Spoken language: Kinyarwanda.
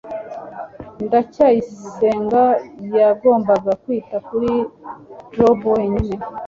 ndacyayisenga yagombaga kwita kuri jabo wenyine